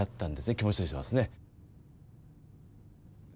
気持ちとしてはですね